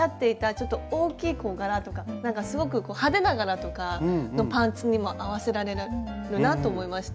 ちょっと大きい柄とかなんかすごく派手な柄とかのパンツにも合わせられるなと思いました。